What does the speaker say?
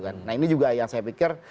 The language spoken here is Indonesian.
nah ini juga yang saya pikir